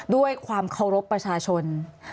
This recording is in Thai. ด้วยความเคารพประชาชน